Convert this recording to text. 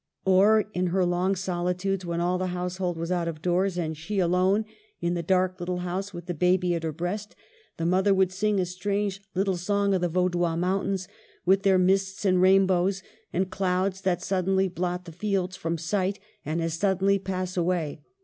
Or in her long solitudes, when all the household was out of doors, and she alone in the dark 264 MARGARET OF ANGOUL^ME. little house with the baby at her breast, the mother would sing a strange little song of the Vaudois mountains, with their mists and rain bows, and clouds that suddenly blot the fields from sight and as suddenly pass away.